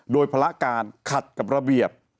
โดยภาระการขัดกับระเบียบ